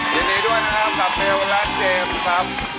ยินดีด้วยนะครับกับเบลและเจมส์ครับ